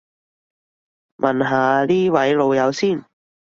問下呢位老友先